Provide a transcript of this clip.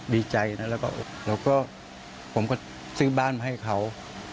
ดีใจนะแล้วก็ผมก็ซื้อบ้านมาให้เขา